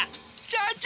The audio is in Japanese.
社長！